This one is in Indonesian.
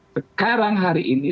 sekarang hari ini